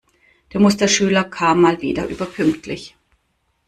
Der Musterschüler kam mal wieder überpünktlich.